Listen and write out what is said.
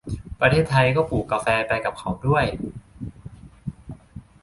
ประเทศไทยก็ปลูกกาแฟไปกับเขาด้วย